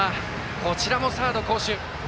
こちらもサード、好守。